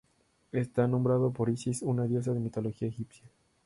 Está nombrado por Isis, una diosa de la mitología egipcia.